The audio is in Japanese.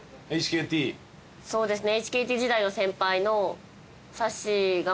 そうですねＨＫＴ時代の先輩のさっしーが。